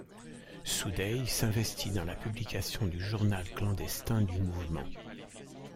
Soudeille s'investit dans la publication du journal clandestin du mouvement.